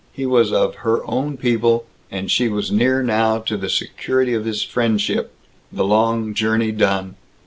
He was of Her Own People, and she was near now to the security of his friendship, the long journey done.